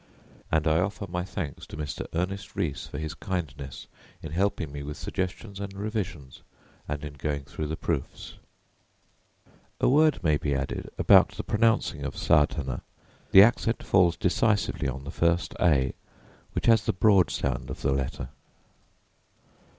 And I offer my thanks to Mr. Ernest Rhys for his kindness in helping me with suggestions and revisions, and in going through the proofs. A word may be added about the pronouncing of Sādhanā: the accent falls decisively on the first ā, which has the broad sound of the letter.